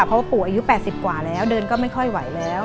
เพราะว่าปู่อายุ๘๐กว่าแล้วเดินก็ไม่ค่อยไหวแล้ว